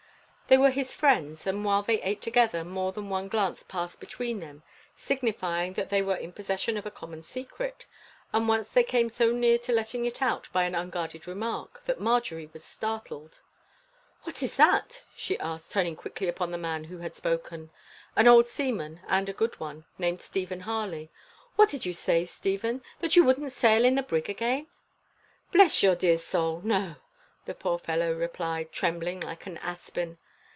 They were his friends, and while they ate together more than one glance passed between them signifying that they were in possession of a common secret; and once they came so near to letting it out by an unguarded remark that Margery was startled. "What is that?" she asked, turning quickly upon the man who had spoken an old seaman and a good one named Stephen Harley. "What did you say, Stephen? That you wouldn't sail in the brig again?" "Bless your dear soul! no," the poor fellow replied, trembling like an aspen.